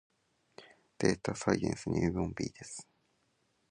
データサイエンス入門 B です